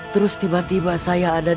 terus tiba tiba saya ada di